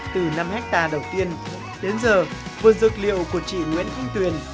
từ năm hectare đầu tiên đến giờ vườn dược liệu của chị nguyễn thanh tuyền